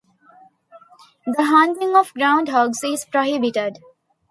The hunting of groundhogs is prohibited.